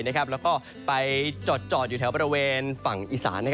แล้วก็ไปจอดอยู่แถวบริเวณฝั่งอีสาน